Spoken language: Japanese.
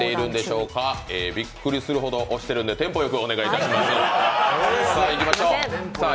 びっくりしているほど押してるんでテンポ良くお願いします。